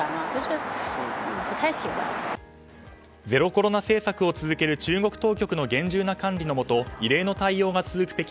ゼロコロナ政策を続ける中国当局の厳重な管理のもと異例の対応が続く